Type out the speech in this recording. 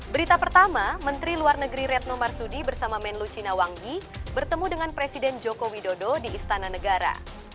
berita pertama menteri luar negeri retno marsudi bersama menlu cinawanggi bertemu dengan presiden joko widodo di istana negara